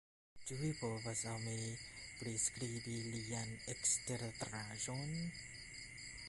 Ĉu vi povas al mi priskribi lian eksteraĵon?